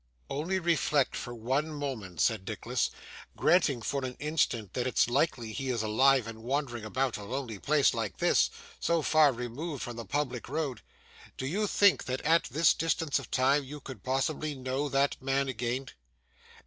'Only reflect for one moment,' said Nicholas; 'granting, for an instant, that it's likely he is alive and wandering about a lonely place like this, so far removed from the public road, do you think that at this distance of time you could possibly know that man again?